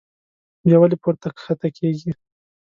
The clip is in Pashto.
بيا ولې پورته کښته کيږي